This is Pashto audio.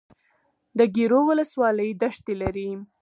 د ګیرو ولسوالۍ دښتې لري